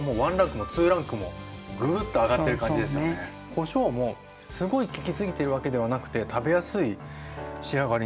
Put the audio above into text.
こしょうもすごい利きすぎてるわけではなくて食べやすい仕上がりになってます。